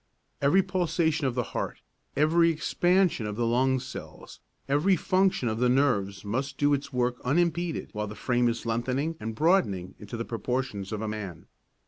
Every pulsation of the heart, every expansion of the lung cells, every function of the nerves must do its work unimpeded while the frame is lengthening and broadening into the proportions of a man.